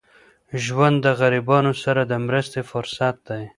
ژوند د غریبانو سره د مرستې فرصت دی.